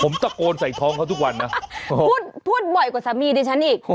ผมตะโกนใส่ท้องเขาทุกวันนะพูดพูดบ่อยกว่าสามีดิฉันอีก